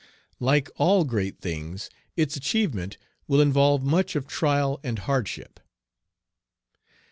Like all great things its achievement will involve much of trial and hardship."